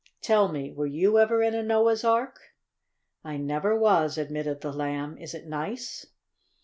Tell me, were you ever in a Noah's Ark?" "I never was," admitted the Lamb. "Is it nice?"